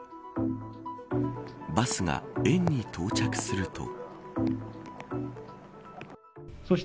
バスが園に到着すると。